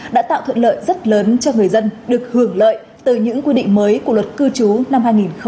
đã tạo thuận lợi rất lớn cho người dân được hưởng lợi từ những quy định mới của luật cư trú năm hai nghìn một mươi ba